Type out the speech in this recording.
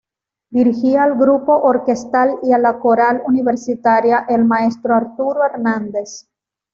Dirigía al Grupo Orquestal y a la Coral Universitaria el Maestro Arturo Hernández.